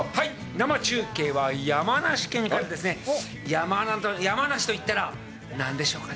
生中継は山梨県から、山梨といったら、何でしょうかね。